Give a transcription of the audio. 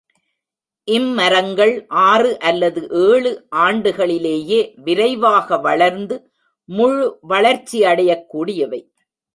இம் மரங்கள் ஆறு அல்லது ஏழு ஆண்டுகளிலேயே விரைவாக வளர்ந்து முழு வளர்ச்சியடையக் கூடியவை.